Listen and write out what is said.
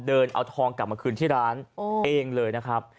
เดินเอาทองกลับมาคืนที่ร้านเองเลยนะครับ